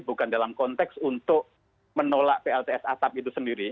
bukan dalam konteks untuk menolak plts atap itu sendiri